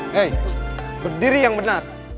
hei berdiri yang benar